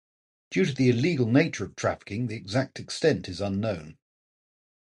Due to the illegal nature of trafficking, the exact extent is unknown.